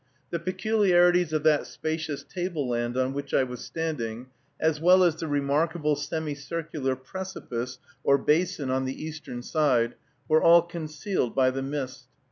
The peculiarities of that spacious table land on which I was standing, as well as the remarkable semicircular precipice or basin on the eastern side, were all concealed by the mist.